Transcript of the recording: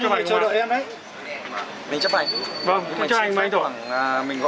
vâng chấp hành